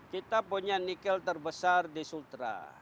kita punya nikel terbesar di sultra